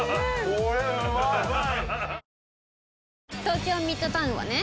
東京ミッドタウンはね